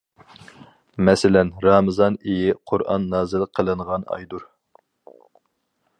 مەسىلەن: رامىزان ئېيى قۇرئان نازىل قىلىنغان ئايدۇر.